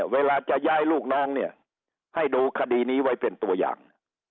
เวลาจะย้ายลูกน้องเนี่ยให้ดูคดีนี้ไว้เป็นตัวอย่าง